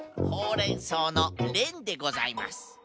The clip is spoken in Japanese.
「ほう・れん・そう」の「れん」でございます。